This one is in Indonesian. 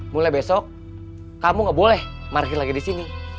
mulai besok kamu gak boleh market lagi disini